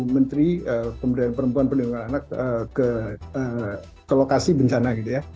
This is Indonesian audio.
kementerian pemberdayaan perempuan dan perlindungan anak ke lokasi bencana